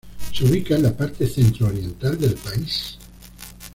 Se ubica en la parte centro-oriental del país.